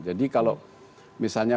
jadi kalau misalnya